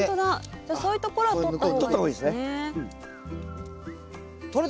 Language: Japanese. じゃそういう所はとった方がいいですね。